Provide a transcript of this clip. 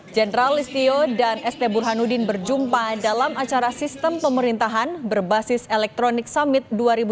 jenderal listio dan st burhanuddin berjumpa dalam acara sistem pemerintahan berbasis elektronik summit dua ribu dua puluh